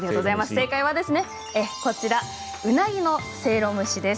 正解はこちらうなぎのせいろ蒸しです。